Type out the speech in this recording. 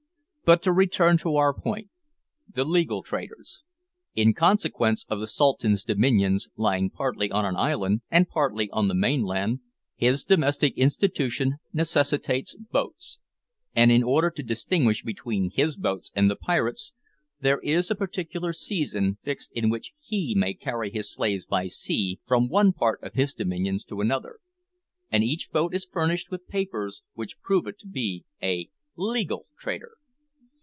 But to return to our point the legal traders. In consequence of the Sultan's dominions lying partly on an island and partly on the mainland, his domestic institution necessitates boats, and in order to distinguish between his boats and the pirates, there is a particular season fixed in which he may carry his slaves by sea from one part of his dominions to another; and each boat is furnished with papers which prove it to be a "legal trader."